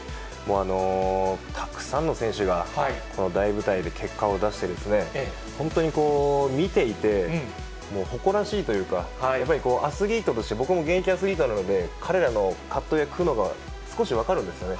たくさんの選手がこの大舞台で結果を出して、本当に見ていて、もう誇らしいというか、やっぱりアスリートとして、僕も現役アスリートなので、彼らの葛藤や苦悩が少し分かるんですよね。